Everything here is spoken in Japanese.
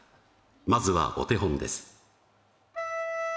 まずはお手本です